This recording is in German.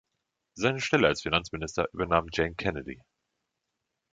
Seine Stelle als Finanzminister übernahm Jane Kennedy.